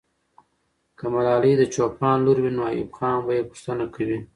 که ملالۍ د چوپان لور وي، نو ایوب خان به یې پوښتنه کوي.